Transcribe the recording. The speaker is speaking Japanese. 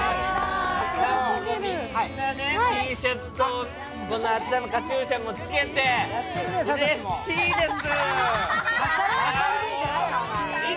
みんなＴシャツと、頭にカチューシャも着けてうれしいです！